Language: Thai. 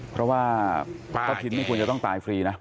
เพราะว่าป้าทินไม่ควรจะต้องตายฟรีนะ